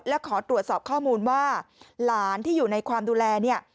และขอตรวจสอบข้อมูลว่าหลานที่อยู่ในความดูแลเนี่ย